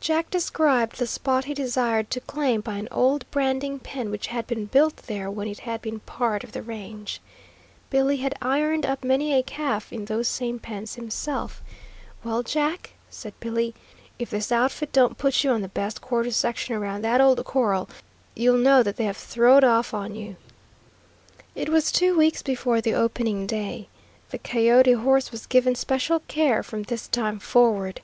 Jack described the spot he desired to claim by an old branding pen which had been built there when it had been part of the range. Billy had ironed up many a calf in those same pens himself. "Well, Jack," said Billy, "if this outfit don't put you on the best quarter section around that old corral, you'll know that they have throwed off on you." It was two weeks before the opening day. The coyote horse was given special care from this time forward.